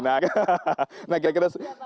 masih nah kira kira